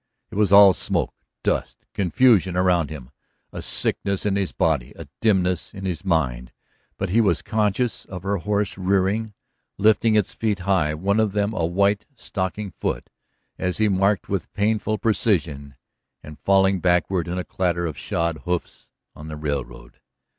It was all smoke, dust, confusion around him, a sickness in his body, a dimness in his mind, but he was conscious of her horse rearing, lifting its feet high one of them a white stockinged foot, as he marked with painful precision and falling backward in a clatter of shod hoofs on the railroad.